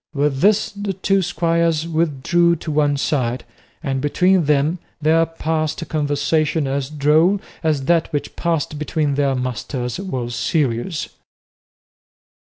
With this the two squires withdrew to one side, and between them there passed a conversation as droll as that which passed between their masters was serious.